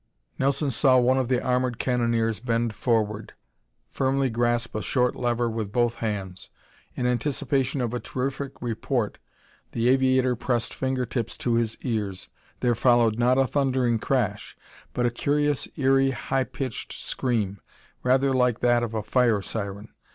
Nelson saw one of the armored cannoneers bend forward, firmly grasp a short lever with both hands. In anticipation of a terrific report, the aviator pressed finger tips to his ears. There followed not a thundering crash, but a curious, eery, high pitched scream, rather like that of a fire siren.